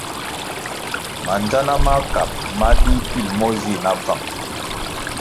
Mandzana makab ma dih pil mo zih na bvang.